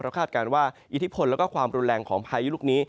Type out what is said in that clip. คาดการณ์ว่าอิทธิพลและความรุนแรงของพายุลูกนี้